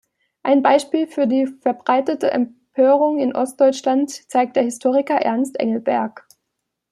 Ein Beispiel für die verbreitete Empörung in Ostdeutschland zeigt der Historiker Ernst Engelberg.